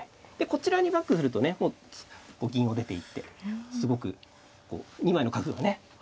こちらにバックするとねもう銀を出ていってすごくこう２枚の角がね圧迫されて。